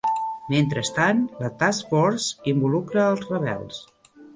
Mentrestant, la Task Force involucra els rebels.